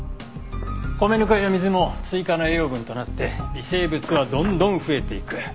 米ぬかや水も追加の栄養分となって微生物はどんどん増えていく。